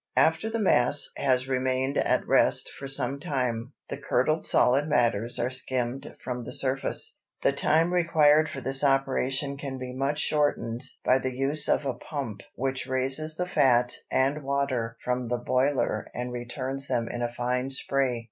After the mass has remained at rest for some time, the curdled solid matters are skimmed from the surface. The time required for this operation can be much shortened by the use of a pump which raises the fat and water from the boiler and returns them in a fine spray.